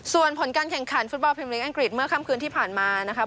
ส่วนผลการแข่งขันฟุตบอลพิมพลิกอังกฤษเมื่อค่ำคืนที่ผ่านมานะคะ